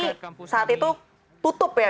berarti ini saat itu tutup ya